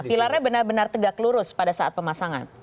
pilarnya benar benar tegak lurus pada saat pemasangan